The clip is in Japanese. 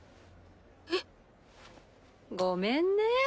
えっ？ごめんね。